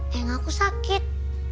eh enggak aku sakit